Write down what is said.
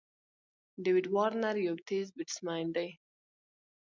داويد وارنر یو تېز بېټسمېن دئ.